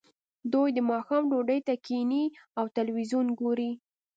دوی د ماښام ډوډۍ ته کیښني او تلویزیون ګوري